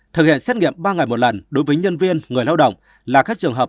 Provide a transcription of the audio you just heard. thực hiện xét nghiệm ba ngày một lần đối với nhân viên người lao động là các trường hợp